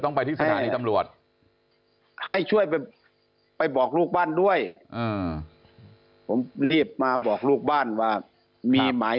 ไปที่สถานีตำรวจให้ช่วยไปบอกลูกบ้านด้วยผมรีบมาบอกลูกบ้านว่ามีหมาย